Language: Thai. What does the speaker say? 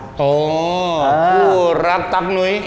อ๋อคู่รักตักหนุ๊ย